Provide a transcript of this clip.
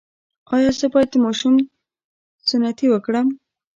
ایا زه باید د ماشوم سنتي وکړم؟